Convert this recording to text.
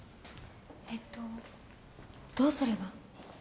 えっとどうすれば？